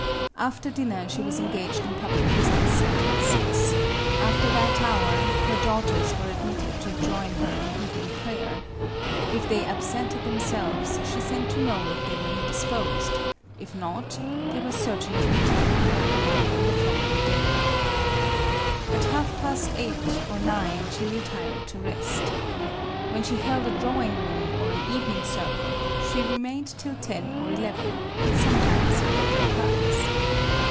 After dinner, she was engaged in public business until six ; after that hour, her daughters were admitted to join her in evening prayer : if they absented themselves, she sent to know if they were indisposed ; if not, they 9' 202 MARIA THERESA. were certain of meeting with a reprimand on the fol lowing day. At half past eight or nine she retired to rest. When she held a drawing room or an evening circle, she remained till ten or eleven, and sometimes played at cards.